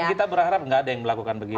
kita berharap nggak ada yang melakukan begitu